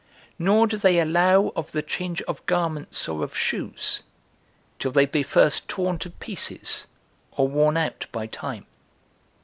Nor do they allow of the change of garments or of shoes till be first torn to pieces, or worn out by time.